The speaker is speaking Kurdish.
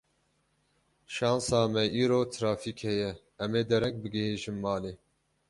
Şansa me îro trafîk heye, em ê dereng bigihîjin malê.